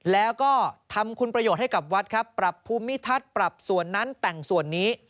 แล้วก็ทำคุณประโยชน์ให้กับวัดครับปรับภูมิทัศน์ปรับส่วนนั้นแต่งส่วนนี้